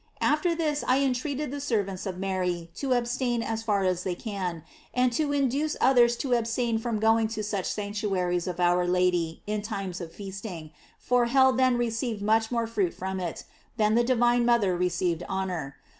After this I entreat the servants of Mary to abstain as far as they can, and to induce oth ers to abstain from going to such sanctuaries of our Lady in times of feasting, for hell then re ceived much more fruit from it, than the divine * No. 75. C60 GLOIU.KS OF MAllY. mother received honor.